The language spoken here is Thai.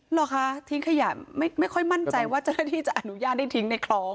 เหรอคะทิ้งขยะไม่ค่อยมั่นใจว่าเจ้าหน้าที่จะอนุญาตได้ทิ้งในคลอง